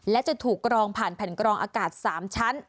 และจะถูกกรองผ่านแผ่นกรองอากาศ๓ชั้น